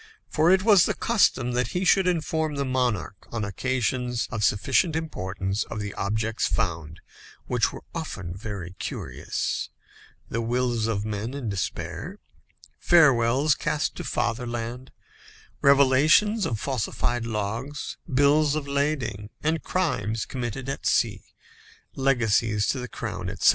For it was the custom that he should inform the monarch, on occasions of sufficient importance, of the objects found, which were often very curious: the wills of men in despair, farewells cast to fatherland, revelations of falsified logs, bills of lading, and crimes committed at sea, legacies to the crown, etc.